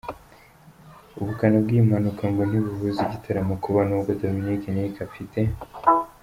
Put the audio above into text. Ubukana bwiyi mpanuka ngo ntibubuza igitaramo kuba nubwo Dominic Nic afite.